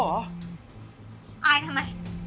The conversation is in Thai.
อายทำไม